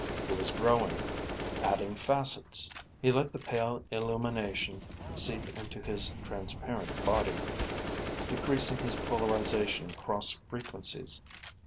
He was growing, adding facets; he let the pale illumination seep into his transparent body, decreasing his polarization cross frequencies.